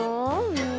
もう。